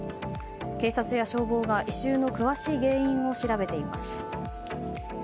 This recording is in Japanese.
警察や消防が異臭の詳しい原因を調べています。